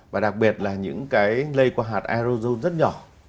và đặc biệt là những cái lây qua hạt arozone rất nhỏ